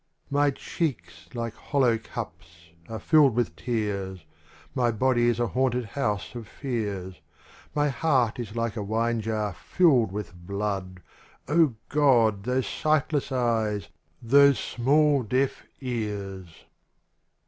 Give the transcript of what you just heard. ^^Y cheeks, like hollow cups, are filled ^1^ with tears. My body is a haunted house of fears. My heart is like a wine jar filled with blood: O God ! those sightless eyes, those small deaf cars.